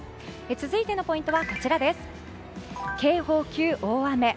続いてのポイントは警報級大雨。